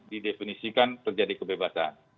didefinisikan terjadi kebebasan